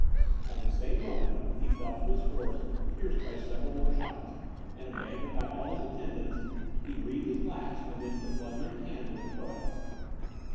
At the same moment he fell from his horse pierced by several more shots; and abandoned by all his attendants, he breathed his last amidst the plundering hands of the Croats.